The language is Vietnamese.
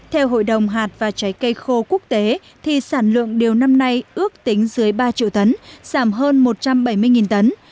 theo hội đồng hạt và trái cây khô quốc tế thì sản lượng điều năm nay ước tính dưới ba triệu tấn giảm hơn một trăm bảy mươi tấn